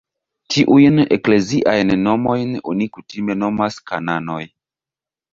Tiujn ekleziajn normojn oni kutime nomas "kanonoj".